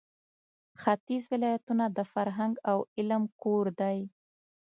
ختیځ ولایتونه د فرهنګ او علم کور دی.